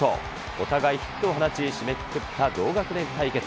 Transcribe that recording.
お互いヒットを放ち、締めくくった同学年対決。